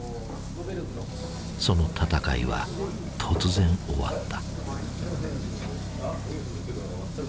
その闘いは突然終わった。